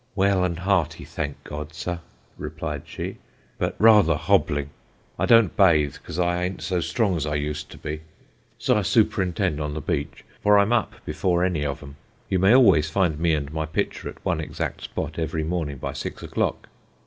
'Well and hearty, thank God, sir,' replied she, 'but rather hobbling. I don't bathe, because I a'nt so strong as I used to be, so I superintend on the beach, for I'm up before any of 'em; you may always find me and my pitcher at one exact spot, every morning by six o'clock.'